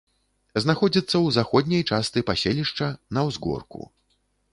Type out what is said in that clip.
Знаходзіцца ў заходняй частцы паселішча, на ўзгорку.